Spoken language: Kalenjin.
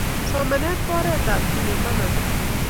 Somanet ko oret ab kinem pananda